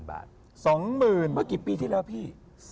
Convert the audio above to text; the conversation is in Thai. ๒๐๐๐๐บาทพี่มากี่ปีที่แล้วพี่